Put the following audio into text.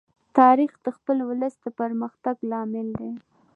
تاریخ د خپل ولس د پرمختګ لامل دی.